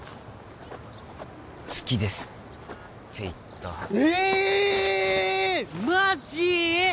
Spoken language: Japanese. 好きですって言ったええっ！？